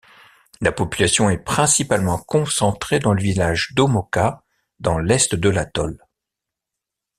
La population est principalement concentrée dans le village d'Omoka, dans l'Est de l'atoll.